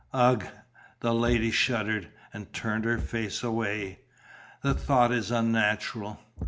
"Ugh!" The lady shuddered and turned her face away. "The thought is unnatural!"